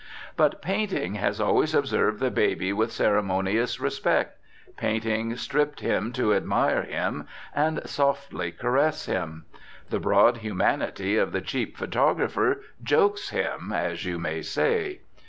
But painting has always observed the baby with ceremonious respect; painting stripped him to admire him and softly caress him. The broad humanity of the cheap photographer "jokes" him, as you may say.